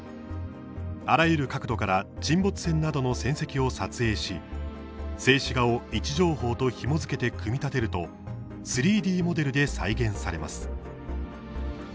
あらゆる角度から沈没船などの戦跡を撮影し静止画を位置情報とひも付けて組み立てると３Ｄモデルで再現されます。